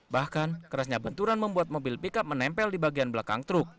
bahkan kerasnya benturan membuat mobil pickup menempel di bagian belakang truk